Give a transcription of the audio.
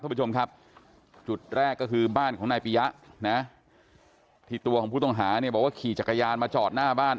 ผู้ชมครับจุดแรกก็คือบ้านของนายปียะนะที่ตัวของผู้ต้องหาเนี่ยบอกว่าขี่จักรยานมาจอดหน้าบ้าน